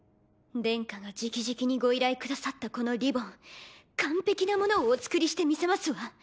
殿下が直々にご依頼くださったこのリボン完璧なものをお作りしてみせますわ。